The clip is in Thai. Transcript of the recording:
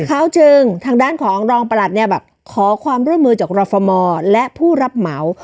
เขาจึงทางด้านของรองประหลัดเนี่ยแบบขอความร่วมมือจากรฟมและผู้รับเหมา